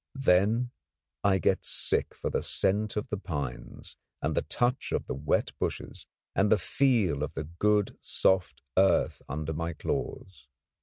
Then I get sick for the scent of the pines, and the touch of the wet bushes, and the feel of the good soft earth under my claws.